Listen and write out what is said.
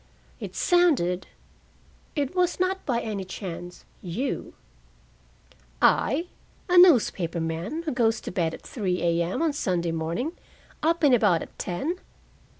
"It sounded it was not by any chance you?" "I? A newspaper man, who goes to bed at three A.M. on Sunday morning, up and about at ten!"